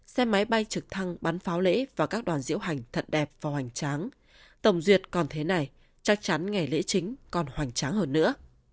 xe máy bay trực thăng bắn pháo lễ và các đoàn diễu hành thật đẹp và hoành tráng tổng duyệt còn thế này chắc chắn ngày lễ chính còn hoành tráng hơn nữa